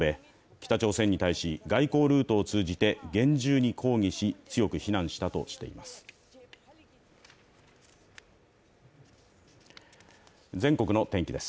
北朝鮮に対し、外交ルートを通じて厳重に抗議し強く非難したとしています。